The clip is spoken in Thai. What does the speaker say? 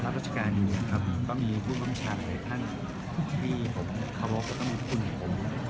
ก็รับรัชการอยู่ครับก็มีผู้บำชาติในท่านที่ผมเขาบอกว่าต้องมีทุกคนอยู่กัน